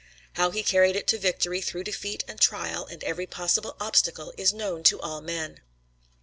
How he carried it to victory through defeat and trial and every possible obstacle is known to all men.